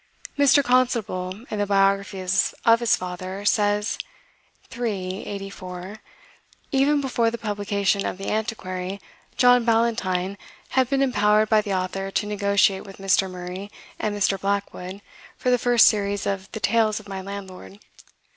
Mr. Constable, in the biography of his father, says (iii. 84): "Even before the publication of 'The Antiquary,' John Ballantyne had been impowered by the Author to negotiate with Mr. Murray and Mr. Blackwood for the first series of the 'Tales of my Landlord.